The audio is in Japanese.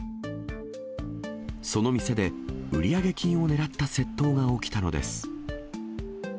その店で売上金を狙った窃盗が起きたのです。